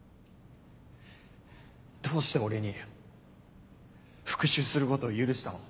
どうして俺に復讐すること許したの？